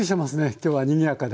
きょうはにぎやかで。